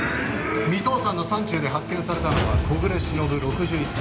三頭山の山中で発見されたのは小暮しのぶ６１歳。